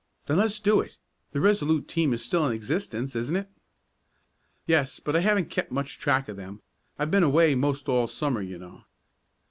"Then let's do it. The Resolute team is still in existence, isn't it?" "Yes, but I haven't kept much track of them. I've been away most all Summer, you know."